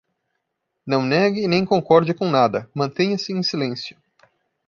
Não negue e nem concorde com nada, mantenha-se em silêncio